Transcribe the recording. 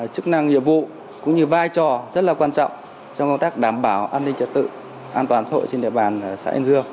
chức năng nhiệm vụ cũng như vai trò rất là quan trọng trong công tác đảm bảo an ninh trật tự an toàn xã hội trên địa bàn xã an dương